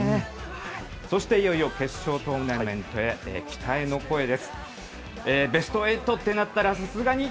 そしていよいよ決勝トーナメントへ期待の声も。